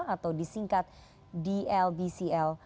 atau disingkat dlbcl